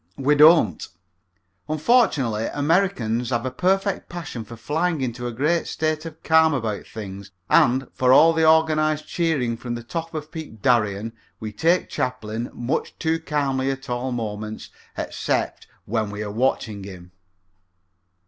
We don't. Unfortunately Americans have a perfect passion for flying into a great state of calm about things and, for all the organized cheering from the top of the peak in Darien, we take Chaplin much too calmly at all moments except when we are watching him.